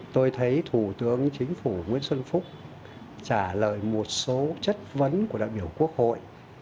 tôi thấy thủ tướng chính phủ nguyễn xuân phúc trả lời một số chất vấn của đại biểu quốc hội